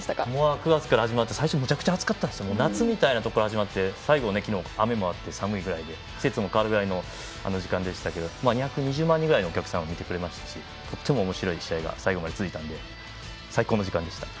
９月から始まって最初、めちゃくちゃ暑くて夏みたいなところから始まって昨日は雨もあって寒いぐらいで季節も変わるぐらいの時間でしたけど２２０万人ぐらいのお客さんが見てくれましたしとてもおもしろい試合が最後まで続いたので最高の大会でした。